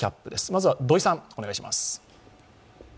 まずは土居さん、お願いします。